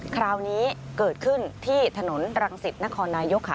คราวนี้เกิดขึ้นที่ถนนรังสิตนครนายกค่ะ